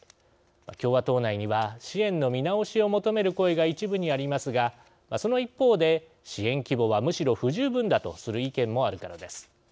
共和党内には支援の見直しを求める声が一部にありますが、その一方で支援規模はむしろ不十分だとする意見もあるからです。